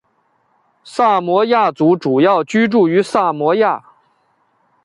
萨摩亚族主要居住于萨摩亚。